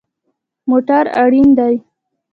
موټر اړین دی